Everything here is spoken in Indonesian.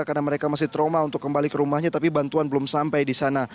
karena mereka masih trauma untuk kembali ke rumahnya tapi bantuan belum sampai di sana